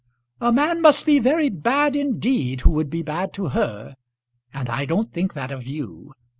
"A man must be very bad indeed who would be bad to her, and I don't think that of you.